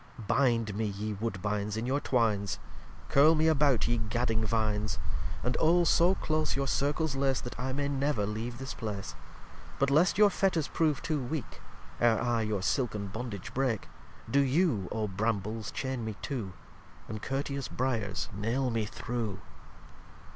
lxxvii Bind me ye Woodbines in your 'twines, Curle me about ye gadding Vines, And Oh so close your Circles lace, That I may never leave this Place: But, lest your Fetters prove too weak, Ere I your Silken Bondage break, Do you, O Brambles, chain me too, And courteous Briars nail me though.